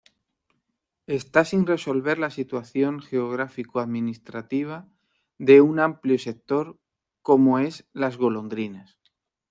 Esta sin resolver la situación geográfico-administrativa de un amplio sector como es Las Golondrinas.